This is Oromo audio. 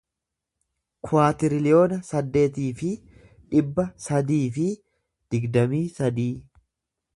kuwaatiriliyoona saddeetii fi dhibba sadii fi digdamii sadii